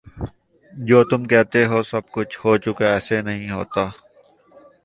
جو تم کہتے ہو سب کچھ ہو چکا ایسے نہیں ہوتا